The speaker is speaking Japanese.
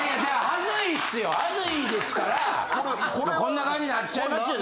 恥ずいですからこんな感じなっちゃいますよ。